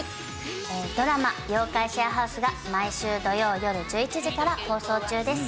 ドラマ『妖怪シェアハウス』が毎週土曜よる１１時から放送中です。